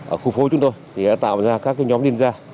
ở khu phố chúng tôi thì đã tạo ra các nhóm liên gia